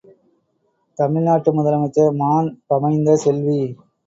தமிழ்நாட்டு முதலமைச்சர் மாண் பமைந்த செல்வி.